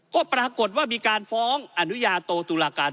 ก็ปรากฏว่ามีการฟ้องอนุญาโตตุลาการ